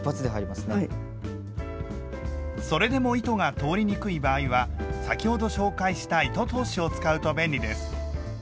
それでも糸が通りにくい場合は先ほど紹介した「糸通し」を使うと便利です。